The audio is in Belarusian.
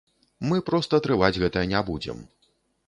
Мы проста трываць гэта не будзем.